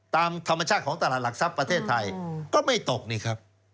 ตามธรรมชาติของตลาดหลักทรัพย์ประเทศไทยก็ไม่ตกนี่ครับ